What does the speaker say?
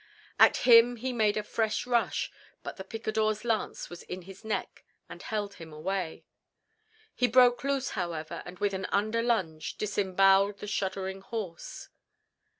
At him he made a fresh rush, but the picador's lance was in his neck and held him away. He broke loose, however, and with an under lunge disemboweled the shuddering horse.